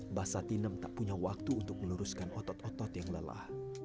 mbah satinem tak punya waktu untuk meluruskan otot otot yang lelah